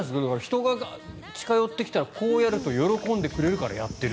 人が近寄ってくるとこうやると喜んでくれるからやっている。